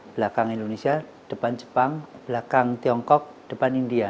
belakang indonesia depan jepang belakang tiongkok depan india